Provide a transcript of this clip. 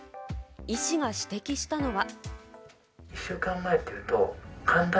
医師が指摘したのは。